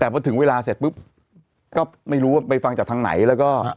แต่พอถึงเวลาเสร็จปุ๊บก็ไม่รู้ว่าไปฟังจากทางไหนแล้วก็